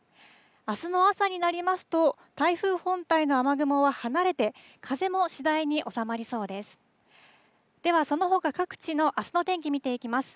あすの朝になりますと、台風本体の雨雲は離れて、風も次第に収まりそうです。